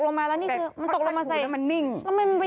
โอ้โหโอ้โหโอ้โหโอ้โหโอ้โห